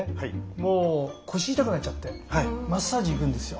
もう腰痛くなっちゃってマッサージ行くんですよ。